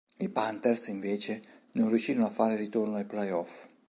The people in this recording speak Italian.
I Panthers invece non riuscirono a fare ritorno ai playoff.